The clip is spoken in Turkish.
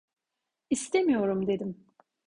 İstemiyorum dedim.